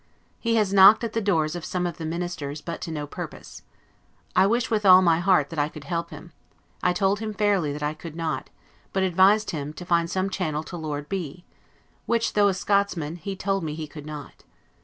He has knocked at the doors of some of the ministers, but to no purpose. I wish with all my heart that I could help him: I told him fairly that I could not, but advised him to find some channel to Lord B , which, though a Scotchman, he told me he could not.